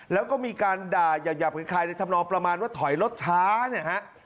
แล้วก็มีการด่ายาบคล้ายในธรรมนองประมาณว่าถอยรถช้าเนี่ยฮะ